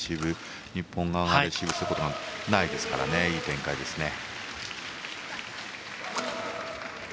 日本側はレシーブすることがないですから、いい展開ですね。